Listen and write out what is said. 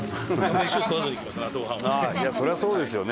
いやあそりゃそうですよね。